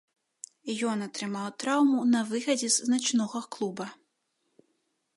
Ён атрымаў траўму на выхадзе з начнога клуба.